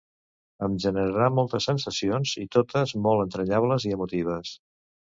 Em generarà moltes sensacions i totes molt entranyables i emotives.